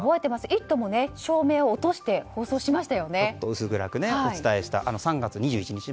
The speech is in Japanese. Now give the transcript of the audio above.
「イット！」も照明を落として薄暗くお伝えした３月２１日。